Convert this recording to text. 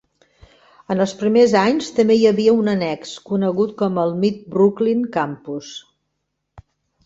En els primers anys, també hi havia un annex, conegut com el "Mid-Brooklyn campus".